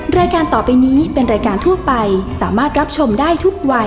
รายการต่อไปนี้เป็นรายการทั่วไปสามารถรับชมได้ทุกวัย